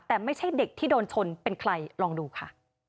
แต่ไม่ใช่เด็กที่โดนชนเป็นใครลองดูค่ะ